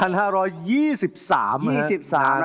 ๒๓นะครับ